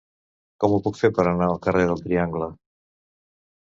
Com ho puc fer per anar al carrer del Triangle?